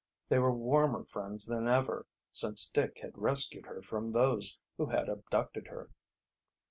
They were warmer friends than ever since Dick had rescued her from those who had abducted her.